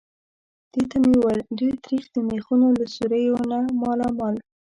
دې ته مې وویل: ډېر تریخ. د مېخونو له سوریو نه مالامال.